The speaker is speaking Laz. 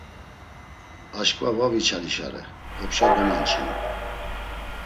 Aşǩva var viçalişare, opşa domanç̌inu.